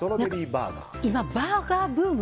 今、バーガーブーム。